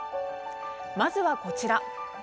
まずはこちら。